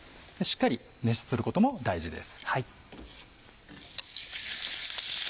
しっかり熱することも大事です。